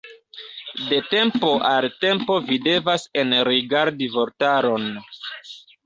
De tempo al tempo vi devas enrigardi vortaron.